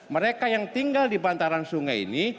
mereka yang tinggal di bantaran sungai ini